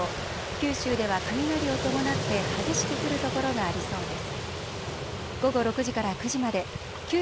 九州では雷を伴って激しく降る所がありそうです。